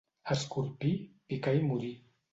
Escorpí, picar i morir.